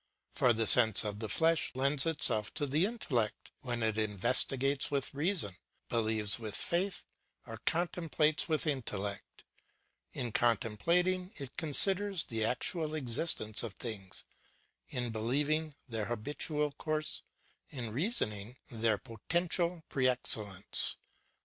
For the sense of the flesh lends itself to the intellect when it investigates with reason, believes with faith, or contemplates with intellect. In contemplating, it considers the actual existence of things; in believing, their habitual course; in reasoning, their potential pre excellence.